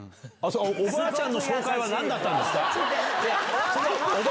おばあちゃんの紹介はなんだったんですか。